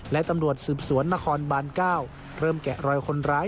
และตำรวจสืบสวนนครบาน๙เริ่มแกะรอยคนร้าย